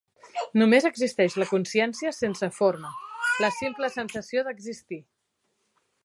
Només existeix la consciència sense forma, "la simple sensació d'existir".